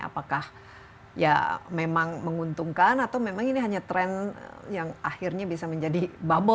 apakah ya memang menguntungkan atau memang ini hanya tren yang akhirnya bisa menjadi bubble